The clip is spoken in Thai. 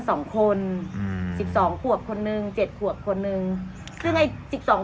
สองคนอ่าสิบสองขวบคนหนึ่งเจ็ดขวบคนหนึ่งซึ่งไอ้สิบสอง